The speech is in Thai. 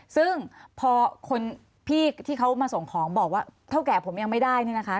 ซึ่งพอคนพี่ที่เขามาส่งของบอกว่าเท่าแก่ผมยังไม่ได้เนี่ยนะคะ